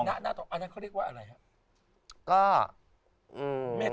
ที่ติดทองรอบหน้าทอง